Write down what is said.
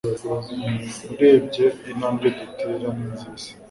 Urebye intambwe dutera ni nziza